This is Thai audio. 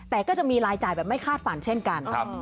แต่ก็จะมีรายจ่ายแบบไม่คาดฝันเช่นกัน